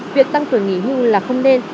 việc tăng tuổi nghỉ hưu là không nên